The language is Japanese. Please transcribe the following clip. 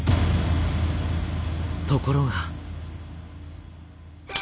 ところが。